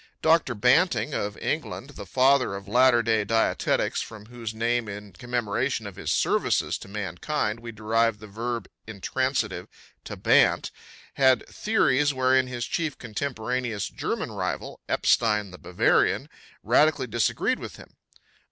Doctor Banting, of England, the father of latter day dietetics from whose name in commemoration of his services to mankind we derive the verb intransitive "to bant," had theories wherein his chief contemporaneous German rival, Epstein the Bavarian, radically disagreed with him.